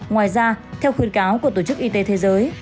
ngoài ra theo khuyên cáo của tổ chức y tế thế giới